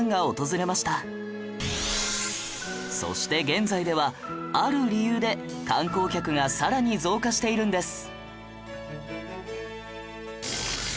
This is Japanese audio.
そして現在ではある理由で観光客がさらに増加しているんです